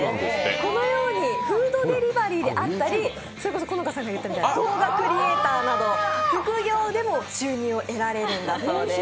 このようにフードデリバリーであったり、それこそ動画クリエイターなど副業でも収入を得られるんだそうです。